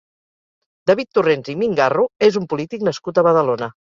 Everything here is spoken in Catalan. David Torrents i Mingarro és un polític nascut a Badalona.